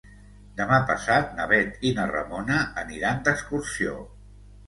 Demà passat na Bet i na Ramona aniran d'excursió.